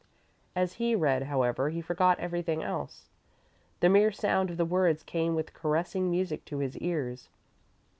As he read, however, he forgot everything else. The mere sound of the words came with caressing music to his ears.